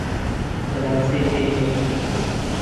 دەمانچەی پێ نییە.